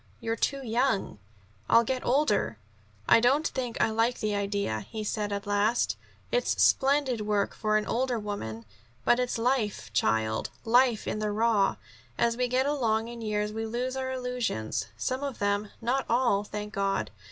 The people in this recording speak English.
"You're too young." "I'll get older." "I don't think I like the idea," he said at last. "It's splendid work for an older woman. But it's life, child life in the raw. As we get along in years we lose our illusions some of them, not all, thank God.